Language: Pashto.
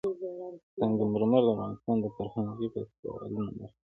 سنگ مرمر د افغانستان د فرهنګي فستیوالونو برخه ده.